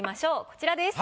こちらです。